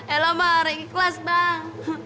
ella mah harus ikhlas bang